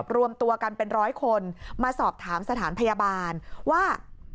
รวมตัวกันเป็นร้อยคนมาสอบถามสถานพยาบาลว่า